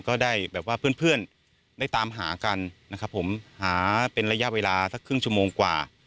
ก็ได้แบบว่าเพื่อนได้ตามหากันนะครับผมหาเป็นระยะเวลาสักครึ่งชั่วโมงกว่า